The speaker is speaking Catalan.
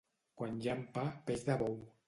Quan llampa, peix de bou.